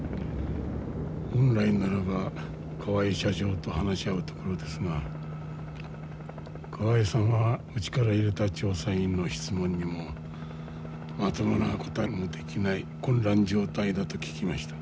本来ならば河合社長と話し合うところですが河合さんはうちから入れた調査員の質問にもまともな答えもできない混乱状態だと聞きました。